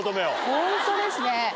ホントですね。